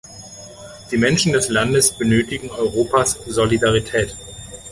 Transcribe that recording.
Die Menschen des Landes benötigen Europas Solidarität.